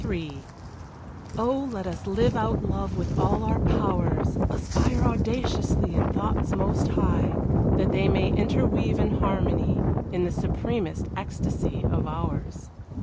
XXIII Oh, let us live out love with all our powers, Aspire audaciously in thoughts most high, That they may interweave in harmony In the supremest ecstasy of ours.